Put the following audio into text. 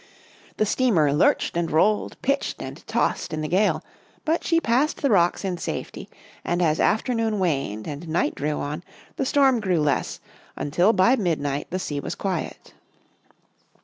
The steamer lurched and rolled, pitched and tossed in the gale, but she passed the rocks in safety, and as afternoon waned and night drew on, the storm grew less, until by midnight the sea was quiet.